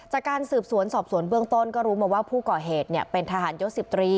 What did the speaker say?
จากการสืบสวนสอบสวนเบื้องต้นก็รู้มาว่าผู้ก่อเหตุเป็นทหารยศ๑๐ตรี